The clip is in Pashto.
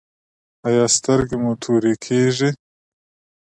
ایا سترګې مو تورې کیږي؟